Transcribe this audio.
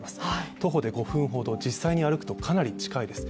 徒歩で５分ほど、実際に歩くとかなり近いです。